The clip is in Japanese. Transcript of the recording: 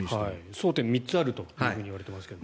争点３つあるといわれていますが。